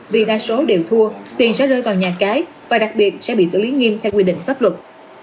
vì đa số đều thua tiền sẽ rơi vào nhà cái và đặc biệt sẽ bị xử lý nghiêm theo quy định pháp luật